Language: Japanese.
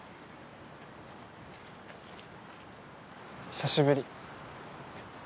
久しぶり。